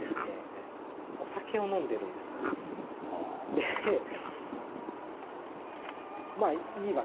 でまあいいわけですよ